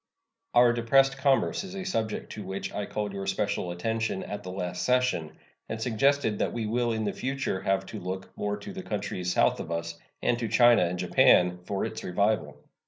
Our depressed commerce is a subject to which I called your special attention at the last session, and suggested that we will in the future have to look more to the countries south of us, and to China and Japan, for its revival.